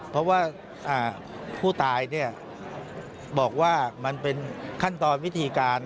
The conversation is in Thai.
เพราะว่าผู้ตายบอกว่ามันเป็นขั้นตอนวิธีการ